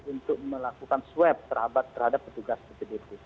untuk melakukan swab terhadap petugas ppdp